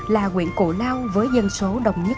là quyện cổ lao với dân số đồng nhất